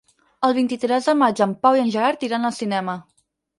El vint-i-tres de maig en Pau i en Gerard iran al cinema.